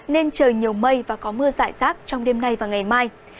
nên trời nhiều mây và có mưa rải rác trong đêm nay và ngày mai